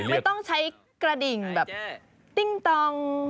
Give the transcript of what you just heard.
ไม่ต้องใช้กระดิ่งแบบติ้งตอง